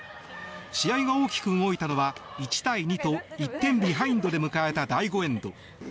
試合が大きく動いたのは１対２と１点ビハインドで迎えた第５エンド。